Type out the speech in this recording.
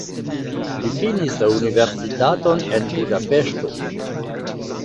Li finis la universitaton en Budapeŝto.